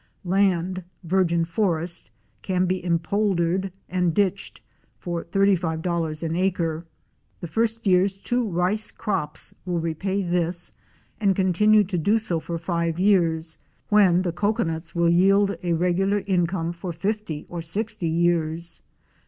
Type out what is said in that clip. Land — virgin forest —can be empoldered and ditched for $35 an acre. The first year's two rice crops will repay this and continue to do so for five years, when the cocoanuts will yield a regular income for fifty or sixty years.